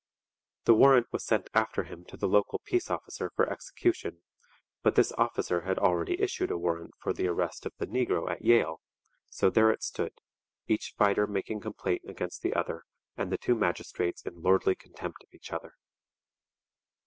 The warrant was sent after him to the local peace officer for execution, but this officer had already issued a warrant for the arrest of the negro at Yale; so there it stood each fighter making complaint against the other and the two magistrates in lordly contempt of each other!